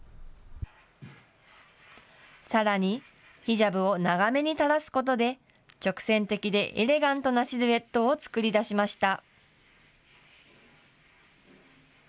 さらにヒジャブを長めに垂らすことで直線的でエレガントなシルエットを作り出しました。